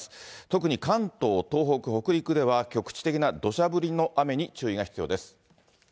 特に関東、東北、北陸では局地的などしゃ降りの雨に注意が必要です。